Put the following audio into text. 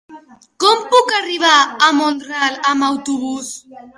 Com puc arribar a Mont-ral amb autobús?